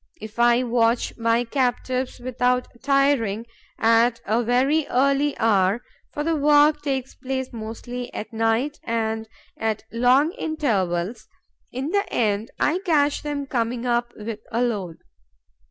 If I watch my captives, without tiring, at a very early hour for the work takes place mostly at night and at long intervals in the end I catch them coming up with a load.